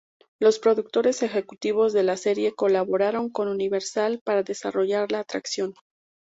Los productores ejecutivos de la serie colaboraron con Universal para desarrollar la atracción.